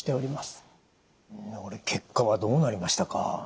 結果はどうなりましたか？